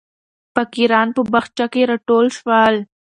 فقیران په باغچه کې راټول شول.